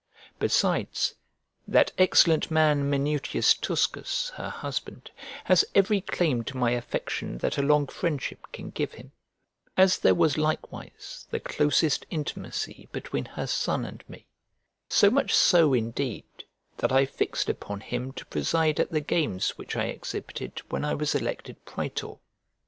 Besides, that excellent man Minutius Tuscus, her husband, has every claim to my affection that a long friendship can give him; as there was likewise the closest intimacy between her son and me, so much so indeed that I fixed upon him to preside at the games which I exhibited when I was elected praetor.